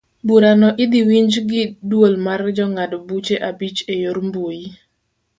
Burano idhi winj gi duol mar jongad buche abich eyor mbui.